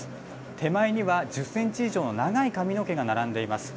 手前には、１０センチ以上の長い髪の毛が並んでいます。